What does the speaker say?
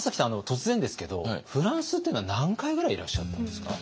突然ですけどフランスっていうのは何回くらいいらっしゃったんですか？